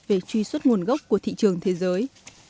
về truy xuất nguồn gốc của thị trường thế giới